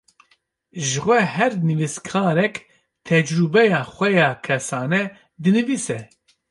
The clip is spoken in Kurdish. Jixwe her nivîskarek, tecrubeya xwe ya kesane dinivîse